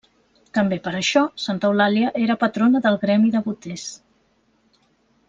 També per això, Santa Eulàlia era patrona del gremi de boters.